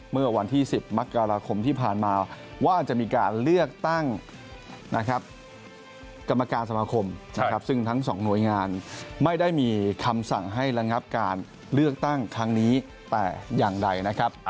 เมื่อวันที่๑๐มกราคมที่ผ่านมาว่าจะมีการเลือกตั้งนะครับกรรมการสมาคมนะครับซึ่งทั้งสองหน่วยงานไม่ได้มีคำสั่งให้ระงับการเลือกตั้งครั้งนี้แต่อย่างใดนะครับ